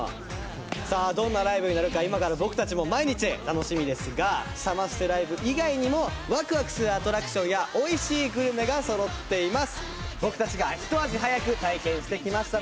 どんなライブになるか今から僕たちも毎日楽しみですがサマステライブ以外にもワクワクするアトラクションやおいしいグルメがそろっています。